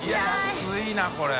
安いなこれ。